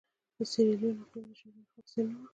د سیریلیون اقلیم د جنوبي افریقا په څېر نه وو.